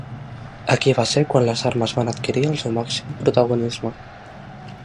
Aquí va ser quan les armes van adquirir el seu màxim protagonisme.